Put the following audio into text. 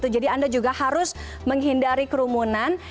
jadi anda juga harus menghindari kerumunan